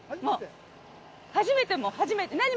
もう初めても初めて。